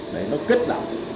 đấy nó kết nặng